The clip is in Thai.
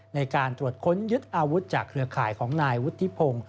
ในการตรวจค้นยึดอาวุธจากเครือข่ายของนายวุฒิพงศ์